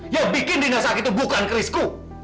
yang bikin rina sakit itu bukan kerisku